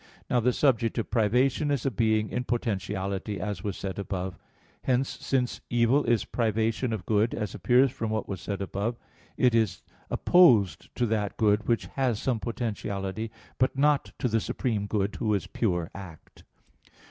Now the subject of privation is a being in potentiality, as was said above (Q. 48, A. 3). Hence, since evil is privation of good, as appears from what was said above (Q. 48, AA. 1, 2, 3), it is opposed to that good which has some potentiality, but not to the supreme good, who is pure act.